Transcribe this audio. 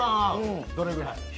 どれぐらい？